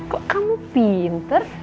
kok kamu pinter